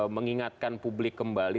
mengingatkan publik kembali